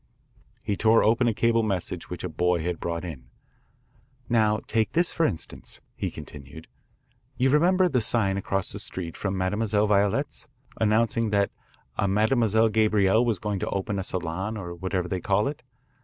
He tore open a cable message which a boy had brought in. "Now, take this, for instance," he continued. "You remember the sign across the street from Mademoiselle Violette's, announcing that a Mademoiselle Gabrielle was going to open a salon or whatever they call it?